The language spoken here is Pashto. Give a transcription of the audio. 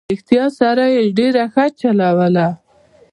په رښتیا سره یې ډېره ښه چلوله.